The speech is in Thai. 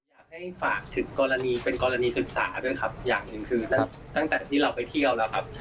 อยากให้ฝากถึงกรณีเป็นกรณีศึกษาด้วยครับอย่างหนึ่งคือตั้งแต่ที่เราไปเที่ยวแล้วครับ